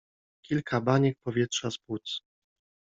Kilka baniek powietrza z płuc.